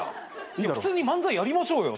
普通に漫才やりましょうよ